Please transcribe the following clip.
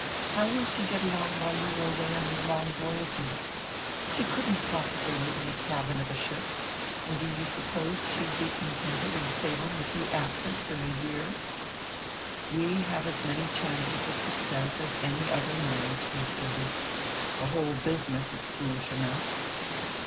How will she get along while you are away on your long voyages? She couldn't possibly live in the cabin of a ship, and do you suppose she'd be contented in Salem with you absent for a year!" "We have as many chances of success as any other marriage," he asserted. "The whole business is foolish enough."